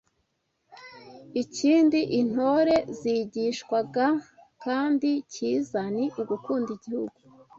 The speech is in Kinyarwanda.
Ikindi intore zigishwaga kandi cyiza ni ugukunda Igihugu